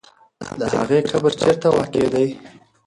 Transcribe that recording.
د هغې قبر چېرته واقع دی؟